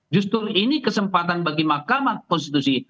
justru ini kesempatan bagi mahkamah konstitusi